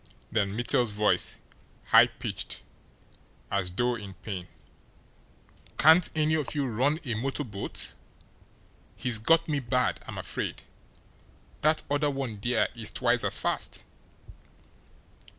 Then Mittel's voice, high pitched, as though in pain: "Can't any of you run a motor boat? He's got me bad, I'm afraid. That other one there is twice as fast."